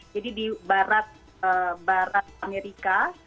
jadi di barat amerika